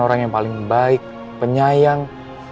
orang yang paling baik penyayang